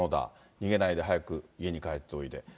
逃げないで早く家に帰っておいで。